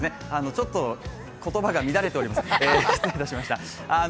ちょっと、言葉が乱れております、失礼しました。